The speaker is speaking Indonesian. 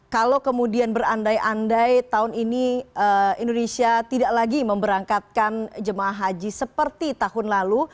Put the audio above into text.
kalau kemudian berandai andai tahun ini indonesia tidak lagi memberangkatkan jemaah haji seperti tahun lalu